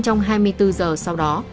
trong hai mươi bốn giờ sau đó